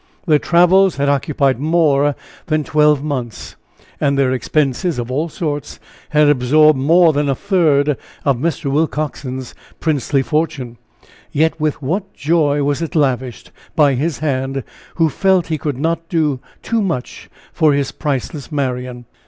Their travels had occupied more than twelve months. And their expenses, of all sorts, had absorbed more than a third of Mr. Willcoxen's princely fortune yet with what joy was it lavished by his hand, who felt he could not do too much for his priceless Marian.